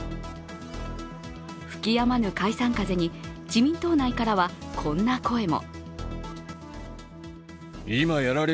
吹きやまぬ解散風に自民党内からは、こんな声も。